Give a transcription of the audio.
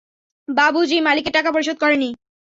বাবুজি মালিকের টাকা পরিশোধ করেনি।